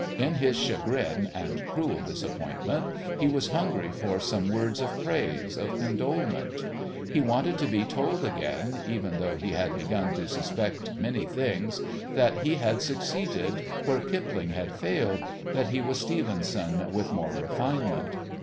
In his chagrin and cruel disappointment he was hungry for some word of praise, of condolement. He wanted to be told again, even though he had begun to suspect many things, that he had succeeded where Kipling had failed, that he was Stevenson with more refinement.